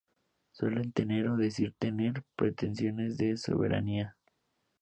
Suelen tener o decir tener pretensiones de soberanía.